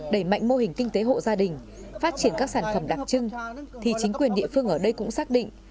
đẩy mạnh mô hình kinh tế hộ gia đình phát triển các sản phẩm đặc trưng thì chính quyền địa phương ở đây cũng xác định